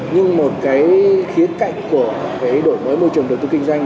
nhưng một cái khía cạnh của cái đổi mới môi trường đầu tư kinh doanh